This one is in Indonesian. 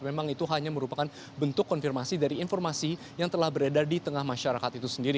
memang itu hanya merupakan bentuk konfirmasi dari informasi yang telah beredar di tengah masyarakat itu sendiri